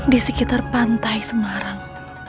di sekitar pantai semarang